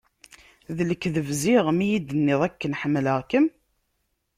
D lekdeb ziɣ mi yi-d-tenniḍ akken ḥemmleɣ-kem?